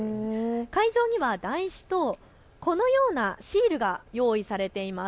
会場には台紙と、このようなシールが用意されています。